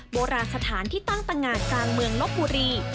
โบราณสถานที่ตั้งตังงานกลางเมืองลบบุรี